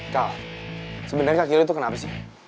kal sebenernya kaki lo itu kenapa sih